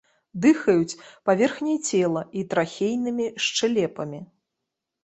Дыхаюць паверхняй цела і трахейнымі шчэлепамі.